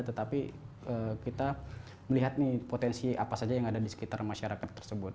tetapi kita melihat nih potensi apa saja yang ada di sekitar masyarakat tersebut